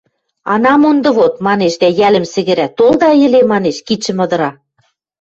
– Ана монды вот! – манеш дӓ йӓлӹм сӹгӹрӓ: – Толда йӹле!.. – манеш, кидшӹм ыдыра.